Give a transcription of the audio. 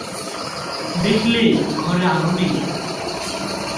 দেখলে ঘরে আলো নেই।